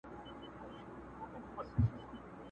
چي به شپه ورباندي تېره ورځ به شپه سوه؛